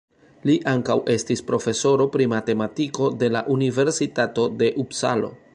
Li ankaŭ estis profesoro pri matematiko de la Universitato de Upsalo.